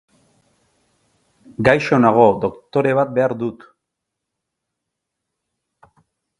Gaixo nago, doktore bat behar dut.